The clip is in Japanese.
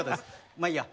まあいいや。